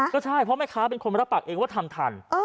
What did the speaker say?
ก็ใช่เพราะแม่ค้าเป็นคนรับปากเองว่าทำทัน